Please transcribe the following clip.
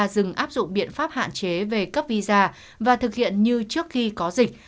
dừng áp dụng biện pháp hạn chế về cấp visa và thực hiện như trước khi có dịch